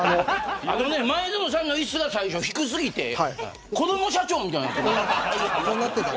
前園さんの椅子が最初、低過ぎて子ども社長みたいになってた。